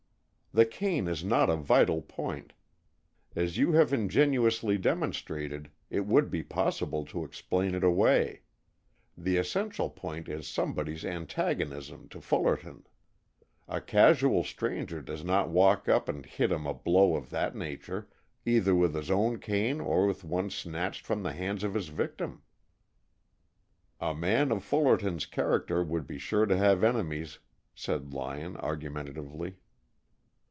"The cane is not a vital point. As you have ingeniously demonstrated, it would be possible to explain it away. The essential point is somebody's antagonism to Fullerton. A casual stranger does not walk up and hit him a blow of that nature, either with his own cane or with one snatched from the hand of his victim." "A man of Fullerton's character would be sure to have enemies," said Lyon, argumentatively.